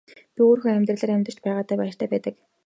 Би өөрийнхөө амьдралаар амьдарч байгаадаа баяртай байдаг байсан.